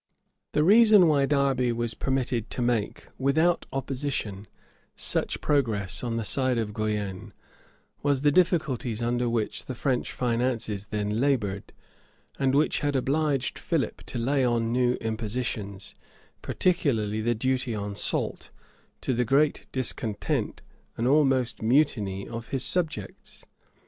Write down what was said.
} The reason why Derby was permitted to make, without opposition, such progress on the side of Guienne, was the difficulties under which the French finances then labored, and which had obliged Philip to lay on new impositions, particularly the duty on salt, to the great discontent, and almost mutiny, of his subjects.